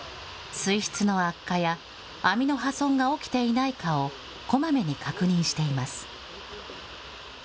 水質の悪化や、網の破損が起きていないかをこまめに確認しています。